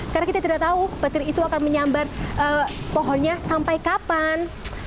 karena kita tidak tahu petir itu akan menyambar pohonnya sampai kapan